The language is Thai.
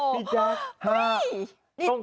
พี่แจ๊ค